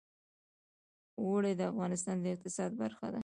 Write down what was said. اوړي د افغانستان د اقتصاد برخه ده.